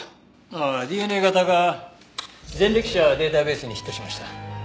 ああＤＮＡ型が前歴者データベースにヒットしました。